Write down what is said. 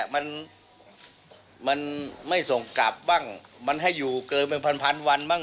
มันมันไม่ส่งกลับบ้างมันให้อยู่เกินเป็นพันวันบ้าง